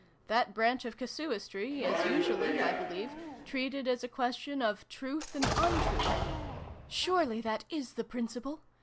" That branch of casuistry is usually, I believe, treated as a question of truth and untruth "Surely that is the principle?"